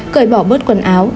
cởi bỏ bớt quần áo